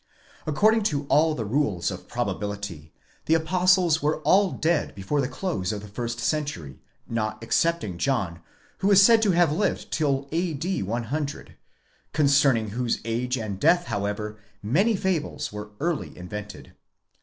According to all] the rules of probability, the Apostles were all dead before the close of the first century ; not excepting John, who is said to have lived till a.p. 100; concerning whose age and death, however, many fables were early invented.